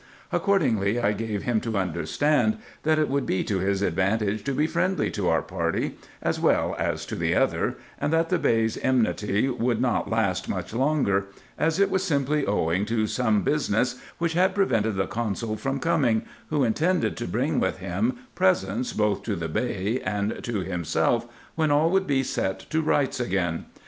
Accordingly I gave him to understand, that it would be to his advantage to be friendly to our party, as well as to the other, and that the Bey's enmity would not last much longer, as it was simply owing to some business which had prevented the Consul from coming, who intended to bring with him presents both to the Bey and to himself, when all would be set to rights again.